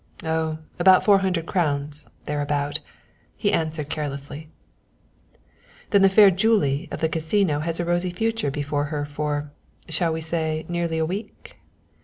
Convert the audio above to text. "Oh, about four hundred crowns thereabouts," he answered carelessly. "Then the fair Julie of the Casino has a rosy future before her for shall we say nearly a week?"